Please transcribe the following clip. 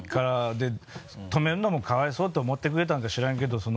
で止めるのもかわいそうと思ってくれたのか知らんけど。